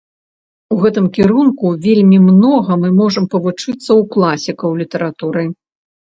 У гэтым кірунку вельмі многа мы можам павучыцца ў класікаў літаратуры.